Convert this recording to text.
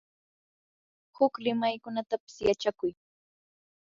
huk rimaykunatapis yachakuy.